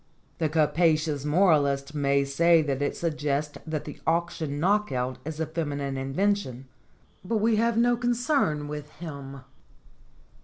The captious moralist may say that it suggests that the auction knock out is a feminine in vention, but we have no concern with him.